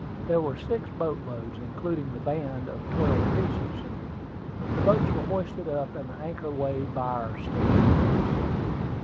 There were six boat loads, including the band of twelve pieces. The boats were hoisted up, and the anchor weighed by our steam windlass.